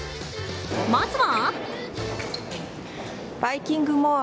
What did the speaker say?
まずは。